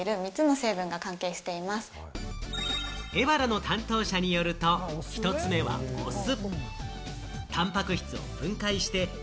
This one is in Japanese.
エバラの担当者によると、１つ目はお酢。